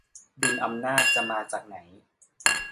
ดุลอำนาจจะมาจากไหน?